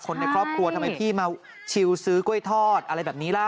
คนในครอบครัวทำไมพี่มาชิวซื้อกล้วยทอดอะไรแบบนี้ล่ะ